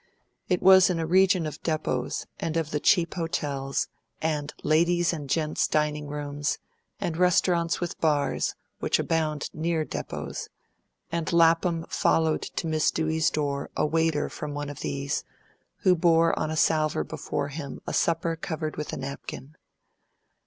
It was in a region of depots, and of the cheap hotels, and "ladies' and gents'" dining rooms, and restaurants with bars, which abound near depots; and Lapham followed to Miss Dewey's door a waiter from one of these, who bore on a salver before him a supper covered with a napkin.